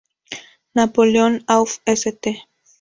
Napoleon auf St.